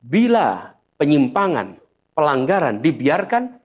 bila penyimpangan pelanggaran dibiarkan